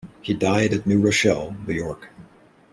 He died at New Rochelle, New York.